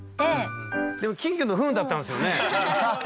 でも金魚のフンだったんですよね？